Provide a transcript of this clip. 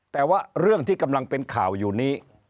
แต่ว่าเรื่องที่กำลังเป็นข่าวอยู่นี้